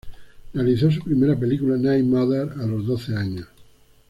Realizó su primera película, "Night Mother" a los doce años.